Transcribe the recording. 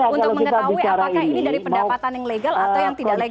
untuk mengetahui apakah ini dari pendapatan yang legal atau yang tidak legal